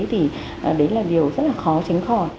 thì đấy là điều rất là khó tránh khỏi